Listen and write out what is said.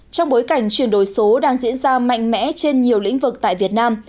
trong bối cảnh chuyển đổi số đang diễn ra mạnh mẽ trên nhiều lĩnh vực tại việt nam